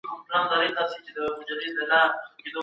ایا له غوسې او خپګان څخه ډډه کول د ژوند رنګ بدلوي؟